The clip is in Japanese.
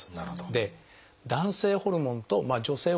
で男性ホルモンと女性ホルモン